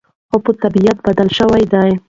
خو طبیعت بدل شوی دی.